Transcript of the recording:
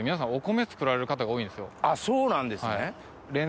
そうなんですね。